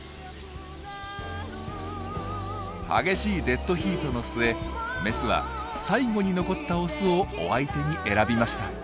激しいデッドヒートの末メスは最後に残ったオスをお相手に選びました。